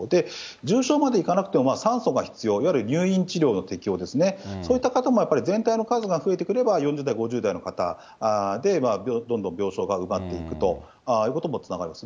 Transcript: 重症までいかなくても酸素が必要、いわゆる入院治療の適用ですね、そういった方もやっぱり全体の数が増えてくれば、４０代、５０代の方で、どんどん病床が埋まっていくということにもつながります。